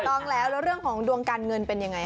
ต้องแล้วแล้วเรื่องของดวงการเงินเป็นยังไง